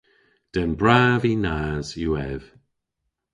Den brav y nas yw ev.